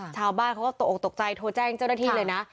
ชาวบ้านเขาก็ตกออกตกใจโทรแจ้งเจ้าหน้าที่เลยนะ